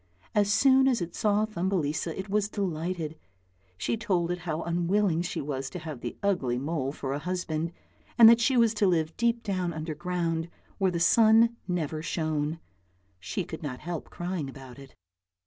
As soon as it saw Thumbelisa it was delighted; she told it how unwilling she was to have the ugly mole for a husband, and that she was to live deep down underground where the sun never shone. She could not help crying about it.